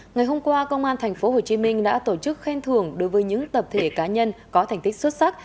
ngày hôm qua công an tp hcm đã tổ chức khen thưởng đối với những tập thể cá nhân có thành tích xuất sắc